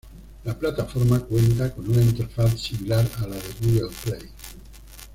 La plataforma cuenta con una interfaz similar a la de Google Play.